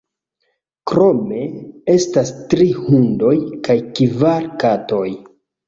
Krome estas tri hundoj kaj kvar katoj.